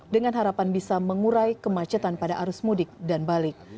dengan harapan bisa mengurai kemacetan pada arus mudik dan balik